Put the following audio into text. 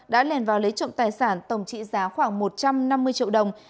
đã lèn vào lấy trộm tài sản tổng trị giá khoảng một trăm năm mươi triệu đồng